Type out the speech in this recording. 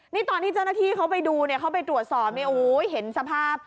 นี่ตอนที่เจ้าหน้าที่เขาไปดูเนี่ยเขาไปตรวจสอบเนี่ยโอ้โหเห็นสภาพ